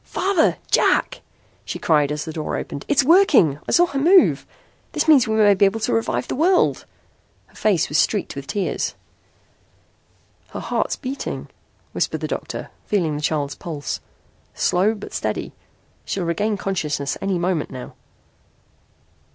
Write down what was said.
"Father! Jack!" she cried as the door opened. "It's working. I saw her move. That means we may be able to revive the world!" Her face was streaked with tears. "Her heart's beating," whispered the doctor, feeling the child's pulse. "Slow but steady. She'll regain consciousness any moment now."